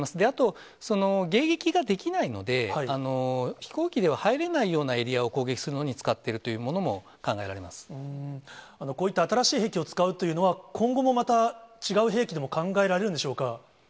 あと、迎撃ができないので、飛行機では入れないようなエリアを攻撃するのに使っているというこういった新しい兵器を使うというのは、今後もまた、違う兵器でも考えられるんでしょうか。